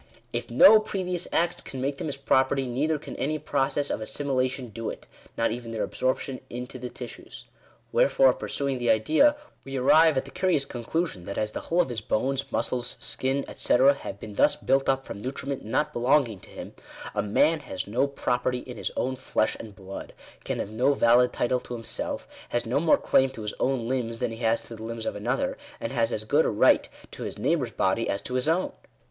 " If no previous acts can make them his property, neither can any process of assimilation do it; not even their absorption into the tissues. Wherefore, pursuing the Digitized by VjOOQIC 184 THE RIGHT OF PROPERTY. idea, we arrive at the curious conclusion, that as the whole of his bones, muscles, skin, &c., have been thus built up from nutriment not belonging to him, a man has no property in his own flesh and blood — can have no valid title to himself — has no more claim to his own limbs than he has to the limbs of another — and has as good a right to his neighbour's body as to his own